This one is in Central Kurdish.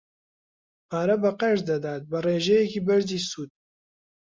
پارە بە قەرز دەدات بە ڕێژەیەکی بەرزی سوود.